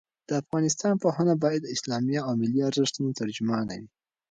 د افغانستان پوهنه باید د اسلامي او ملي ارزښتونو ترجمانه وي.